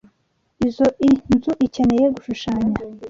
Izoi nzu ikeneye gushushanya.